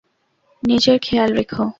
নিজের খেয়াল রেখো!